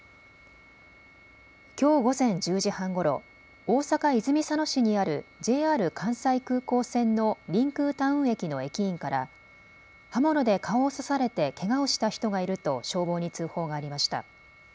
きょう午前１０時半ごろ大阪泉佐野市にあるＪＲ関西空港線のりんくうタウン駅の駅員から刃物で顔を刺されてけがをした人がいると消防に通報がありました。